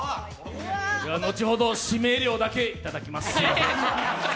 後ほど、指名料だけいただきます。